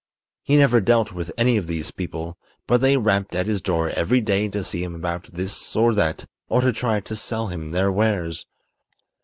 He never dealt with any of these people; but they rapped at his door every day to see him about this or that or to try to sell him their wares.